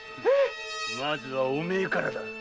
まずはおめえからだ。